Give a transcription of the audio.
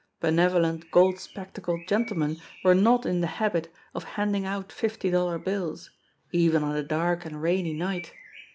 Benevolent, gold spectacled gentle men were not in the habit of handing out fifty dollar bills even on a dark and rainy night!